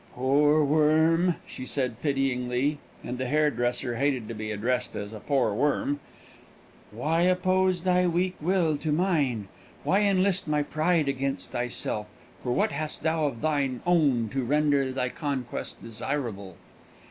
"Poor worm!" she said pityingly (and the hairdresser hated to be addressed as a poor worm), "why oppose thy weak will to mine? Why enlist my pride against thyself; for what hast thou of thine own to render thy conquest desirable?